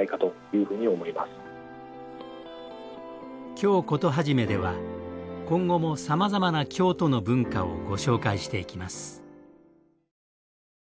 「京コトはじめ」では今後もさまざまな京都の文化をご紹介していきます。